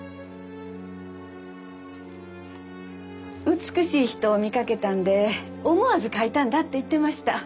美しい人を見かけたんで思わず描いたんだって言ってました。